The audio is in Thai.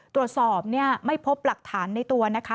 ตรวจสอบเนี่ยไม่พบหลักฐานในตัวนะคะ